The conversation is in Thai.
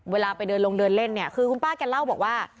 เวลาไปเดินลงเดินเล่นเนี่ยคือคุณป้าแกเล่าบอกว่า